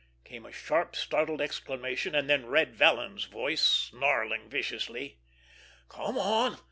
Came a sharp, startled exclamation, and then Red Vallon's voice, snarling viciously: "Come on!